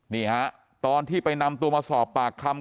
นี่ฮะตอนที่ไปนำตัวมาสอบปากคำ